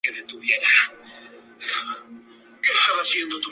Pedro Hernández nació en el barrio de Los Quemados, en Fuencaliente de La Palma.